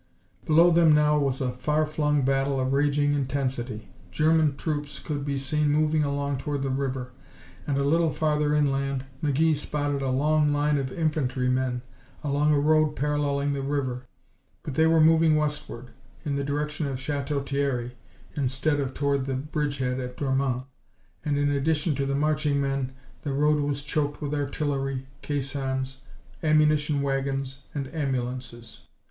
Below them now was a far flung battle of raging intensity. German troops could be seen moving along toward the river, and a little farther inland McGee spotted a long line of infantrymen along a road paralleling the river. But they were moving westward, in the direction of Chateau Thierry, instead of toward the bridgehead at Dormans. And in addition to the marching men, the road was choked with artillery, caissons, ammunition wagons, and ambulances.